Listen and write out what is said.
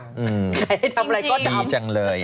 ใครทำอะไรก็ดีจังเลย